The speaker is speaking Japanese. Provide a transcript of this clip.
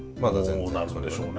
どうなるんでしょうね